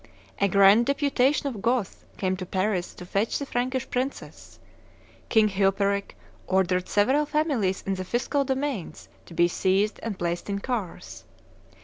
"A grand deputation of Goths came to Paris to fetch the Frankish princess. King Chilperic ordered several families in the fiscal domains to be seized and placed in cars.